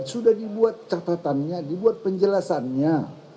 sudah dibuat catatannya dibuat penjelasannya